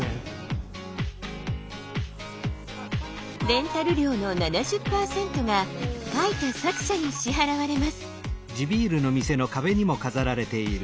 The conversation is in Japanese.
レンタル料の７０％が描いた作者に支払われます。